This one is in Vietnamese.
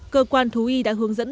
cơ quan thú y đã hướng dẫn